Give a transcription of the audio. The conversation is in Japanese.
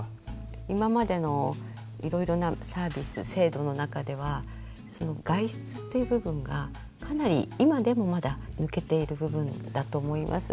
今までのいろいろなサービス制度の中では外出っていう部分がかなり今でもまだ抜けている部分だと思います。